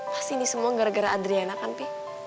pasti ini semua gara gara adriana kan pi